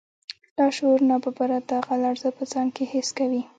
لاشعور ناببره دغه لړزه په ځان کې حس کوي